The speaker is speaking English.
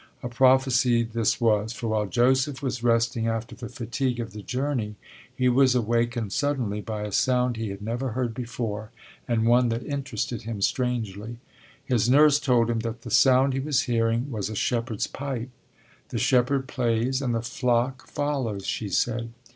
A prophecy this was, for while Joseph was resting after the fatigue of the journey, he was awakened suddenly by a sound he had never heard before, and one that interested him strangely. His nurse told him that the sound he was hearing was a shepherd's pipe. The shepherd plays and the flock follows, she said.